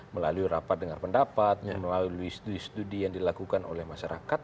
melalui rapat dengan pendapat melalui studi studi yang dilakukan oleh masyarakat